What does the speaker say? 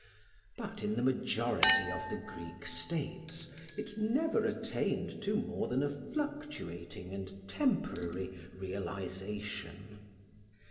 But in the majority of the Greek states it never attained to more than a fluctuating and temporary realisation.